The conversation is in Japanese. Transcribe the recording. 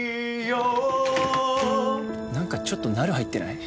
何かちょっとナル入ってない？